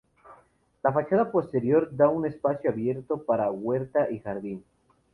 La fachada posterior da a un espacio abierto para huerta y jardín.